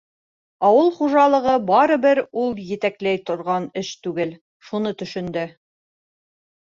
Ауыл хужалығы барыбер ул етәкләй торған эш түгел - шуны төшөндө.